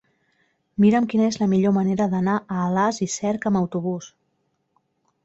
Mira'm quina és la millor manera d'anar a Alàs i Cerc amb autobús.